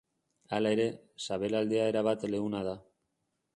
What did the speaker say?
Hala ere, sabelaldea erabat leuna da.